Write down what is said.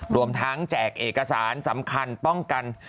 รวมทั้งแจกเอกสารสำคัญป้องกัน